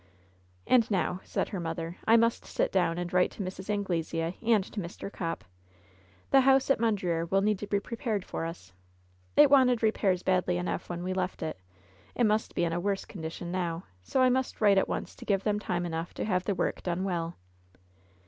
"And now," said her mother, "I must sit down and write to Mrs. Anglesea and to Mr. Copp. The house at Mondreer will need to be prepared for us. It wanted repairs badly enough when we left it. It must be in a LOVE'S BITTEREST CUP 66 worse condition now; so I must write at once to give them time enough to have the work done well."